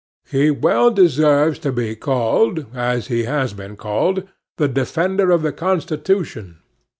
He well deserves to be called, as he has been called, the Defender of the Constitution.